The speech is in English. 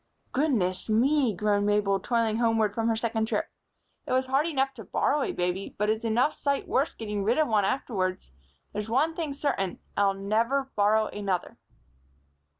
"Goodness me!" groaned Mabel, toiling homeward from her second trip, "it was hard enough to borrow a baby, but it's enough sight worse getting rid of one afterwards. There's one thing certain; I'll never borrow another."